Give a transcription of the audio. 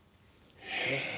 へえ。